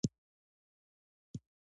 هغوي وچې ډوډوۍ پورې حېران دي.